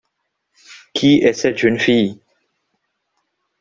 Qui est cette jeune fille ?